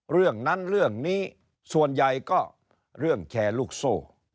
เรื่องนั้นเรื่องนี้ส่วนใหญ่ก็เรื่องแชร์ลูกโซ่